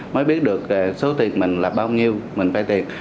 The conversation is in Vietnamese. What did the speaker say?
mới biết được số tiền mình là bao nhiêu mình phải tiền